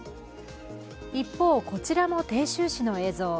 一方、こちらも鄭州市の映像。